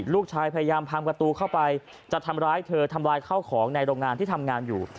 ลูกชายพยายามพังประตูเข้าไปจะทำร้ายเธอทำลายข้าวของในโรงงานที่ทำงานอยู่